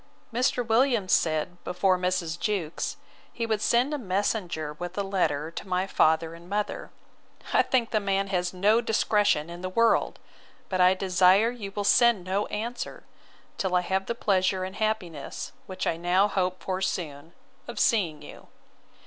Mr. Williams said, before Mrs. Jewkes, he would send a messenger with a letter to my father and mother.—I think the man has no discretion in the world: but I desire you will send no answer, till I have the pleasure and happiness which now I hope for soon, of seeing you.